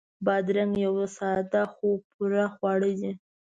بادرنګ یو ساده خو پوره خواړه دي.